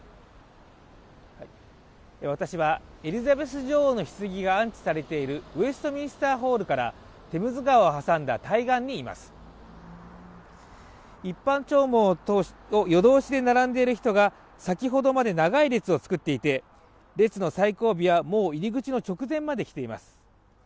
私はエリザベス女王の棺が安置されているウェストミンスターホールからテムズ川を挟んだ対岸にいます一般弔問を夜通しで並んでる人が先ほどまで長い列を作っていて列の最後尾はもう入り口の直前まで来ています